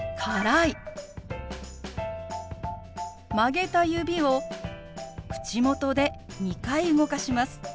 曲げた指を口元で２回動かします。